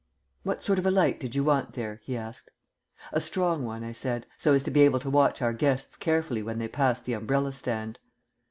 "What sort of a light did you want there?" he asked. "A strong one," I said; "so as to be able to watch our guests carefully when they pass the umbrella stand."